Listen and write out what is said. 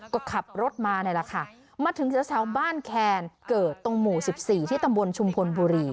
ก็ขับรถมาได้แล้วค่ะมาถึงแถวแซวบ้านแขนเกิดตรงหมูสิบสี่ที่ตำบลชุมพลบุรี